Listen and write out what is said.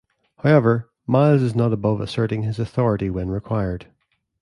However, Miles is not above asserting his authority when required.